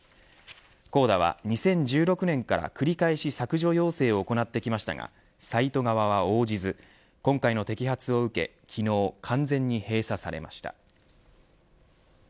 ＣＯＤＡは２０１６年から繰り返し削除要請を行ってきましたがサイト側は応じず今回の摘発を受け昨日、完全に閉鎖されました。